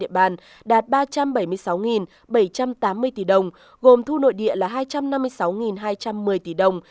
tp hcm được giao dự toán thu ngân sách trên địa bàn đạt ba trăm bảy mươi sáu bảy trăm tám mươi tỷ đồng gồm thu nội địa là hai trăm năm mươi sáu hai trăm một mươi tỷ đồng